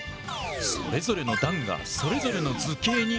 それぞれの段がそれぞれの図形に。